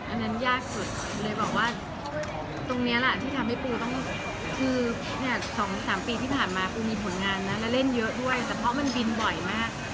อันนั้นยากสุดเลยบอกว่าตรงนี้แหละที่ทำให้ปูต้องคือเนี่ย๒๓ปีที่ผ่านมาปูมีผลงานนะและเล่นเยอะด้วยแต่เพราะมันบินบ่อยมาก